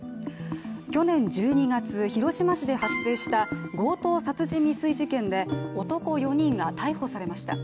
去年１２月、広島市で発生した強盗殺人未遂事件で男４人が逮捕されました。